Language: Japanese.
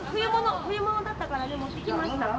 冬物だったからね持ってきました。